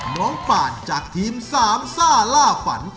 น้องป่านจากทีม๓ซ่าล่าฝัน